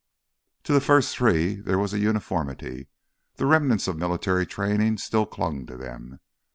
To the first three there was a uniformity; the remnants of military training still clung to them.